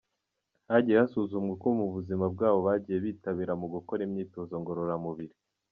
Hagiye hasuzumwa uko mu buzima bwabo bagiye bitabira gukora imyitozo ngororamubiri.